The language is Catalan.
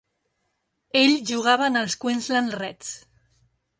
Ell jugava en els Queensland Reds.